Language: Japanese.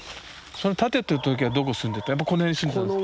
その建ててる時はどこ住んでたやっぱこの辺に住んでたんですか？